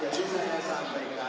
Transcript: jadi saya sampaikan